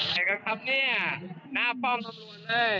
เห็นกันครับเนี่ยหน้าป้อมทุกคนเลย